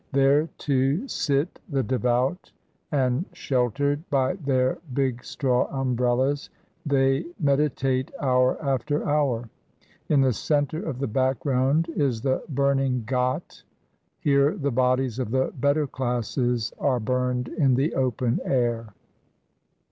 There, too, sit the devout, and, sheltered by their big straw umbrellas, they meditate hour after hour. In the center of the background is the burning ghat. Here the bodies of the better classes are burned in the open air.